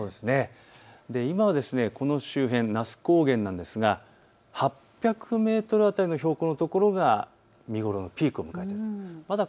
今はこの周辺、那須高原なんですが８００メートル辺りの標高のところが見頃のピークを迎えています。